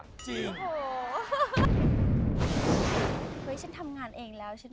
เฮ้ยฉันทำงานเองแล้ว